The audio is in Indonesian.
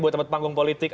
buat tempat panggung politik